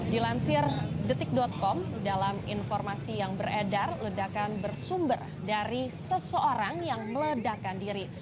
dilansir detik com dalam informasi yang beredar ledakan bersumber dari seseorang yang meledakan diri